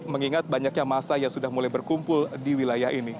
mengingat banyaknya masa yang sudah mulai berkumpul di wilayah ini